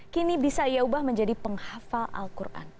kini bisa yaubah menjadi penghafal al quran